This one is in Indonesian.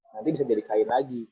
nanti bisa jadi kain lagi